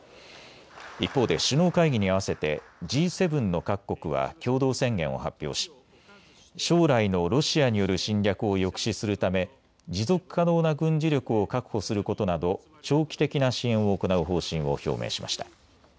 一方で首脳会議にあわせてＧ７の各国は共同宣言を発表し将来のロシアによる侵略を抑止するため持続可能な軍事力を確保することなど長期的な支援を行う方針を表明しました。